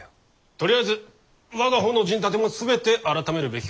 とりあえず我が方の陣立ても全て改めるべきかと。